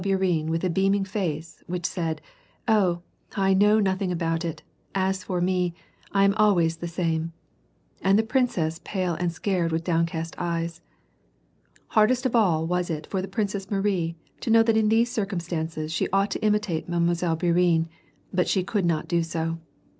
Bourienne with a beaming face, which said, "Oh! I know nothing about it; as for me, I am always the same." And the princess pale and scared with downcast eyes. Hard est of all was it for the Princess Marie to know that in these circumstances she ought to imitate Mile. Bourienne, but she could not do so.